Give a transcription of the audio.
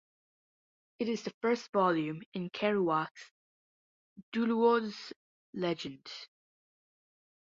It is the first volume in Kerouac's "Duluoz Legend".